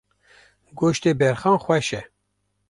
Goştê berxan xweş e.